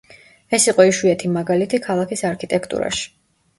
ეს იყო იშვიათი მაგალითი ქალაქის არქიტექტურაში.